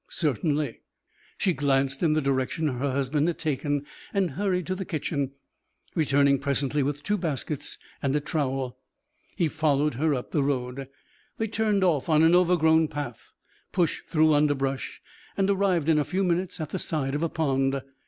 "Certainly." She glanced in the direction her husband had taken and hurried to the kitchen, returning presently with two baskets and a trowel. He followed her up the road. They turned off on an overgrown path, pushed through underbrush, and arrived in a few minutes at the side of a pond.